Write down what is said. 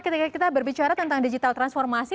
ketika kita berbicara tentang digital transformasi